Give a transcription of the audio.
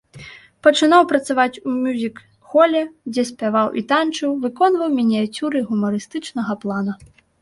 Пачынаў працаваць у мюзік-холе, дзе спяваў і танчыў, выконваў мініяцюры гумарыстычнага плана.